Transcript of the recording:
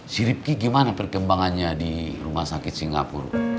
si ripki gimana perkembangannya di rumah sakit singapura